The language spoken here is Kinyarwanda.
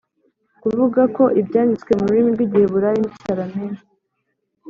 kuvuga ko Ibyanditswe mu rurimi rw igiheburayo n icyarameyi